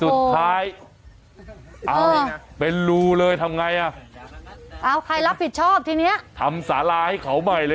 สุดท้ายเอาเป็นรูเลยทำไงอ่ะเอาใครรับผิดชอบทีเนี้ยทำสาราให้เขาใหม่เลย